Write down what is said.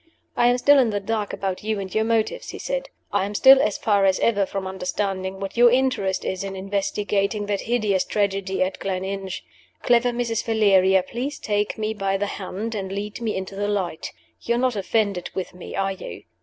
"I am still in the dark about you and your motives," he said. "I am still as far as ever from understanding what your interest is in investigating that hideous tragedy at Gleninch. Clever Mrs. Valeria, please take me by the hand, and lead me into the light. You're not offended with me are you?